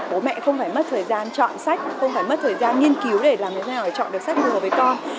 bố mẹ không phải mất thời gian chọn sách không phải mất thời gian nghiên cứu để làm như thế nào để chọn được sách đùa với con